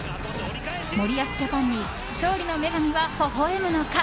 森保ジャパンに勝利の女神はほほ笑むのか。